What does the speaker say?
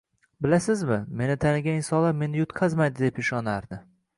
Bilasizmi, meni tanigan insonlar meni yutqazmaydi deb ishonardi